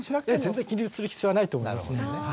全然気にする必要はないと思いますね。